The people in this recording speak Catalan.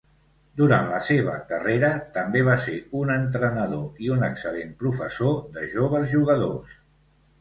Durant la seva carrera, també va ser un entrenador i un excel·lent professor de joves jugadors.